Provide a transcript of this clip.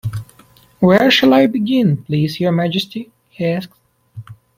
‘Where shall I begin, please your Majesty?’ he asked.